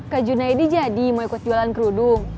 kak junaidi jadi mau ikut jualan kerudung